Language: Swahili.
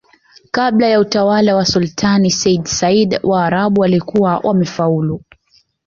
kabla ya utawala wa sulutani seyyid said Waarabu walikuwa wamefaulu